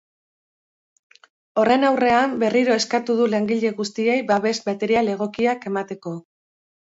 Horren aurrean, berriro eskatu du langile guztiei babes material egokiak emateko.